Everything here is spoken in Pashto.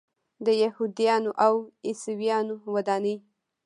د یهودانو او عیسویانو ودانۍ.